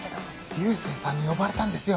流星さんに呼ばれたんですよ。